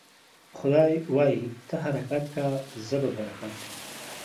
خداى وايي: ته حرکت که ، زه به برکت کم.